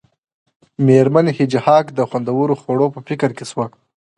میرمن هیج هاګ د خوندورو خوړو په فکر کې شوه